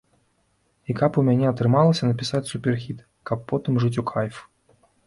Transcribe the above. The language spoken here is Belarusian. І каб у мяне атрымалася напісаць суперхіт, каб потым жыць у кайф.